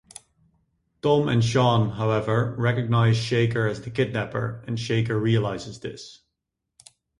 Tom and Sean, however, recognize Shaker as the kidnapper, and Shaker realizes this.